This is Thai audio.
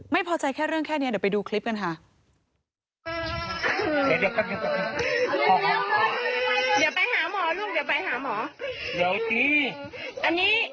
ไม่พอใจแค่เรื่องแค่นี้เดี๋ยวไปดูคลิปกันค่ะ